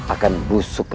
akan busuk raden